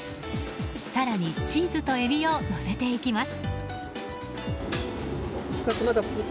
更にチーズとエビをのせていきます。